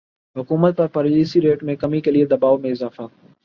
حکومت پر policy rate میں کمی کے لیے دبائو میں اضافہ